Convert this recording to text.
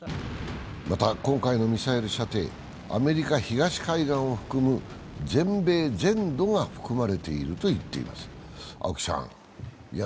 また、今回のミサイル射程、アメリカ東海岸を含む全米全土が含まれていると言っています。